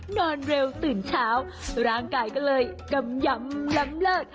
นอนเร็วตื่นเช้าร่างกายก็เลยกำยำล้ำเลิก